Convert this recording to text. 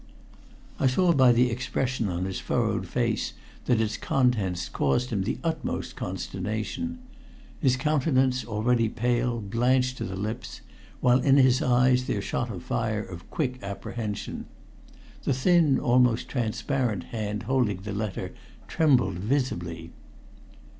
I saw by the expression on his furrowed face that its contents caused him the utmost consternation. His countenance, already pale, blanched to the lips, while in his eyes there shot a fire of quick apprehension. The thin, almost transparent hand holding the letter trembled visibly.